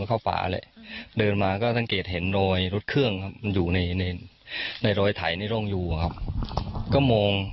เข้าป่าเลยเดินมาก็สังเกตเห็นรอยรถเครื่องอยู่ในในรอยไถนี่ร่วงอยู่ครับก็มอง